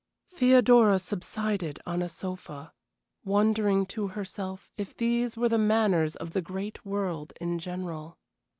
Theodora subsided on a sofa, wondering to herself if these were the manners of the great world in general.